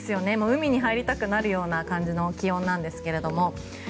海に入りたくなるような感じの気温なんですけれども。